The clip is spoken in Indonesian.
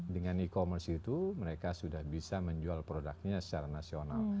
dengan e commerce itu mereka sudah bisa menjual produknya secara nasional